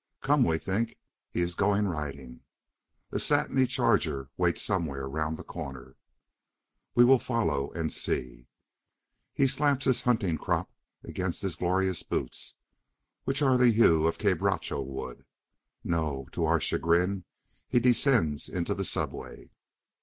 Come, we think, he is going riding. A satiny charger waits somewhere round the corner. We will follow and see. He slaps his hunting crop against his glorious boots, which are the hue of quebracho wood. No; to our chagrin, he descends into the subway.